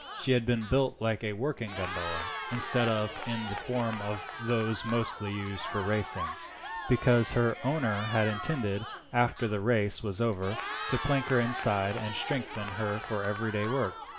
She had been built like a working gondola, instead of in the form of those mostly used for racing, because her owner had intended, after the race was over, to plank her inside and strengthen her for everyday work.